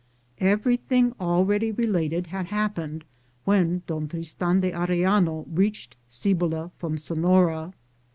Everything already related had happened when Don Tristan de Arellano reached Ci bola from Sefiora.